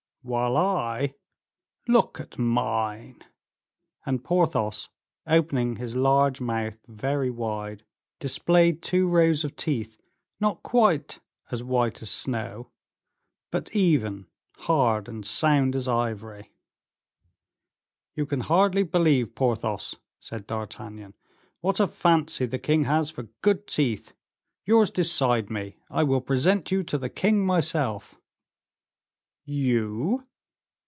"While I, look at mine." And Porthos, opening his large mouth very wide, displayed two rows of teeth not quite as white as snow, but even, hard, and sound as ivory. "You can hardly believe, Porthos," said D'Artagnan, "what a fancy the king has for good teeth. Yours decide me; I will present you to the king myself." "You?"